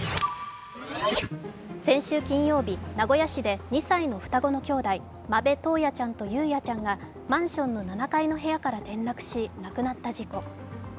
先週金曜日、名古屋市で２歳の双子の兄弟、間部登也ちゃんと雄也ちゃんがマンションの７階の部屋から転落し亡くなった事故。